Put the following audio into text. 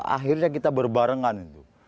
akhirnya kita berbarengan itu